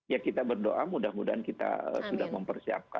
ya kita berdoa mudah mudahan kita sudah mempersiapkan